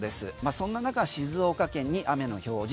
そんな中、静岡県に雨の表示。